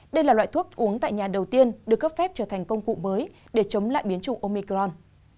đây là loại thuốc uống tại nhà đầu tiên được cấp phép trở thành công cụ mới để chống lại biến chủng omicron